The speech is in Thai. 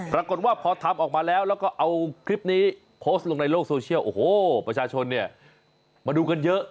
ปรากฏว่าพอทำออกมาแล้วแล้วก็เอาคลิปนี้โพสต์ลงในโลกโซเชียลโอ้โหประชาชนเนี่ยมาดูกันเยอะ